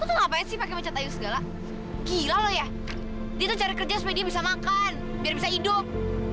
lo tuh ngapain sih pake mecat ayu segala gila lo ya dia tuh cari kerja supaya dia bisa makan biar bisa hidup